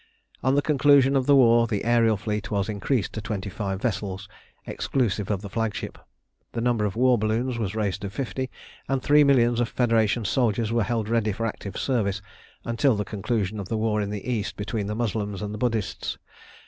On the conclusion of the war the aërial fleet was increased to twenty five vessels exclusive of the flagship. The number of war balloons was raised to fifty, and three millions of Federation soldiers were held ready for active service until the conclusion of the war in the East between the Moslems and Buddhists.